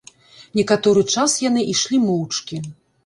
Некаторы час яны ішлі моўчкі.